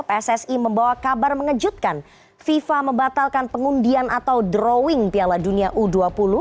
pssi membawa kabar mengejutkan fifa membatalkan pengundian atau drawing piala dunia u dua puluh